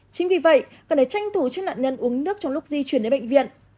chính vì vậy cần để tranh thủ cho nạn nhân uống nước trong lúc di chuyển đến bệnh viện